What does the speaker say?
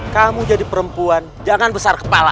kamu jadi perempuan jangan besar kepala